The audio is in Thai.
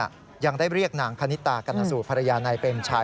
ยังได้เรียกนางคณิตากรณสูตรภรรยานายเปรมชัย